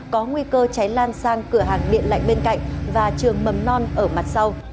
có nguy cơ cháy lan sang cửa hàng điện lạnh bên cạnh và trường mầm non ở mặt sau